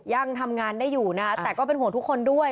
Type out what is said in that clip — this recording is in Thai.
ยังทำงานได้อยู่นะคะแต่ก็เป็นห่วงทุกคนด้วย